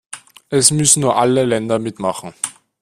Es müssten nur alle Länder mitmachen.